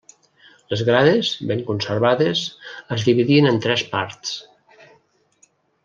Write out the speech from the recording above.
Les grades, ben conservades, es dividien en tres parts.